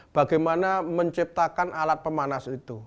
bagaimana menciptakan alat pemanas itu